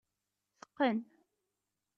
Teqqen.